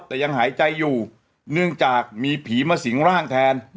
แต่ยังหายใจอยู่เนื่องจากมีผีมาสิงร่างแทน